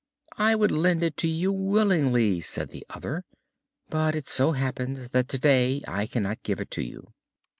"I would lend it to you willingly," said the other, "but it so happens that today I cannot give it to you."